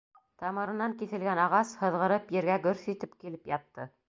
Тамырынан киҫелгән ағас һыҙғырып ергә гөрҫ итеп килеп ятты.